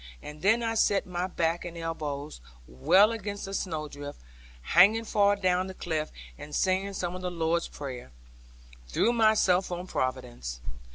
And then I set my back and elbows well against a snowdrift, hanging far adown the cliff, and saying some of the Lord's Prayer, threw myself on Providence.